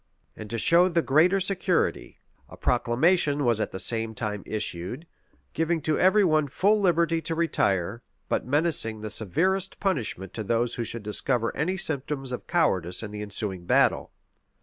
[] And to show the greater security, a proclamation was at the same time issued, giving to every one full liberty to retire, but menacing the severest punishment to those who should discover any symptoms of cowardice in the ensuing battle.